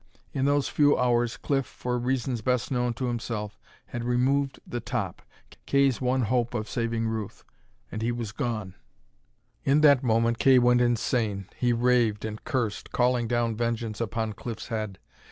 In those few hours Cliff, for reasons best known to himself, had removed the top, Kay's one hope of saving Ruth. And he was gone. In that moment Kay went insane. He raved and cursed, calling down vengeance upon Cliff's head.